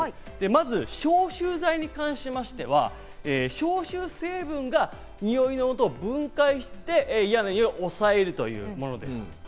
まず消臭剤に関しましては、消臭成分がニオイのもとを分解して、嫌なニオイを抑えるというものです。